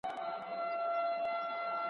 مسلمانانو خپل عسکري قوت راټول کړ.